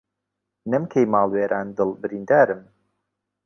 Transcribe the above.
نەم کەی ماڵ وێران دڵ بریندارم